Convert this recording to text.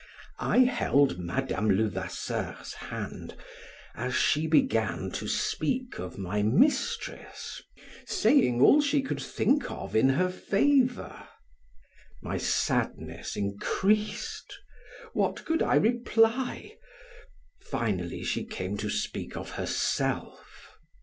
I held Madame Levasseur's hand as she began to speak of my mistress, saying all she could think of in her favor. My sadness increased. What could I reply? Finally she came to speak of herself.